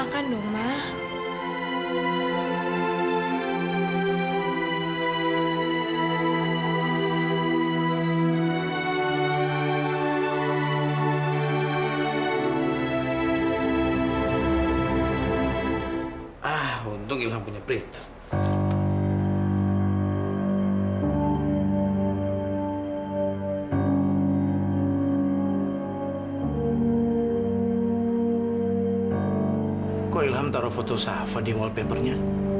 kau ilham taruh foto safa di wall papernya